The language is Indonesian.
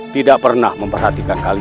tidak pernah memperhatikan kami